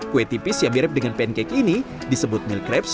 kue tipis yang mirip dengan pancake ini disebut meal crabs